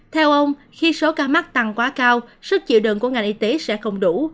theo ông khi số ca mắc tăng quá cao sức chịu đựng của ngành y tế sẽ không đủ